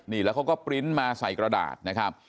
นี่แล้วเขาก็ปริ้นต์มาใส่กระดาษนะครับ